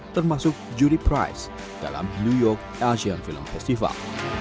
termasuk juri price dalam new york asian film festival